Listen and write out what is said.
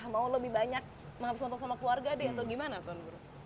mau lebih banyak menghabiskan waktu sama keluarga deh atau gimana tuan